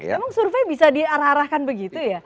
memang survei bisa diarah arahkan begitu ya